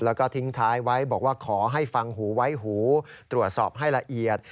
แล้วก็ทิ้งท้ายไว้บอกว่าขอให้ฟังหูไว้หูตรวจสอบให้ละเอียด